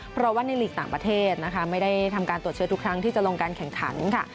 เพราะว่าในหลีกต่างประเทศนะคะไม่ได้ทำการตรวจเชื้อทุกครั้งที่จะลงการแข่งขันค่ะ